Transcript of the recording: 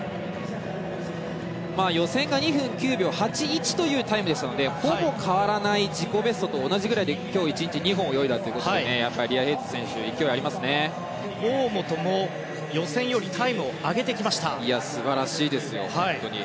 予選が２分９秒８１というタイムでしたのでほぼ変わらない自己ベストと同じくらいで今日１日２本泳いだということでリア・ヘイズ選手は大本も予選よりタイムを素晴らしいですよ。